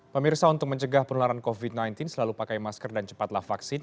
pemirsa untuk mencegah penularan covid sembilan belas selalu pakai masker dan cepatlah vaksin